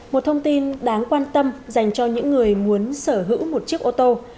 một thông tin đáng quan tâm dành cho những người muốn sở hữu một chiếc ô tô